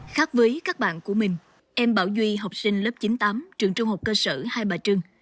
khác với các bạn của mình em bảo duy học sinh lớp chín tám trường trung học cơ sở hai bà trưng